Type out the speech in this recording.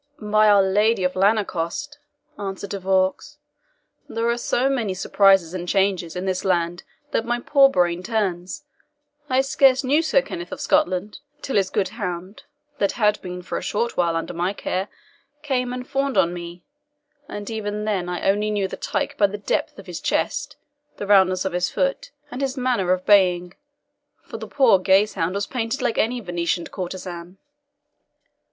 "By our Lady of Lanercost," answered De Vaux, "there are so many surprises and changes in this land that my poor brain turns. I scarce knew Sir Kenneth of Scotland, till his good hound, that had been for a short while under my care, came and fawned on me; and even then I only knew the tyke by the depth of his chest, the roundness of his foot, and his manner of baying, for the poor gazehound was painted like any Venetian courtesan."